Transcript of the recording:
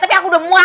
tapi aku udah muak